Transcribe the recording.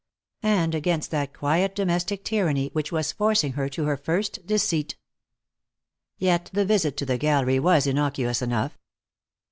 And against that quiet domestic tyranny which was forcing her to her first deceit. Yet the visit to the gallery was innocuous enough.